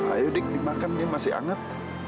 ayo dik dimakan nih masih anget